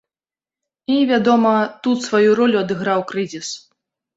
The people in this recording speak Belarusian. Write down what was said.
І, вядома, тут сваю ролю адыграў крызіс.